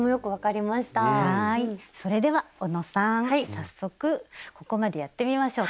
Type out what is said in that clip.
早速ここまでやってみましょうか。